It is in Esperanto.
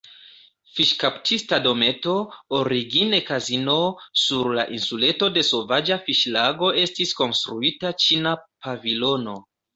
Fiŝkaptista Dometo, origine kazino; sur la insuleto de Sovaĝa Fiŝlago estis konstruita Ĉina Pavilono.